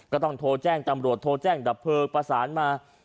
ก็ต้องโทรแจ้งตำรวจโทรแจ้งดับเพลิงประสานมา